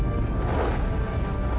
assalamualaikum warahmatullahi wabarakatuh